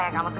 ya aku juga